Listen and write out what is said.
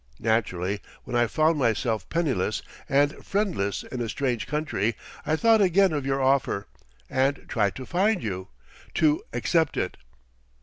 Naturally, when I found myself penniless and friendless in a strange country, I thought again of your offer; and tried to find you, to accept it."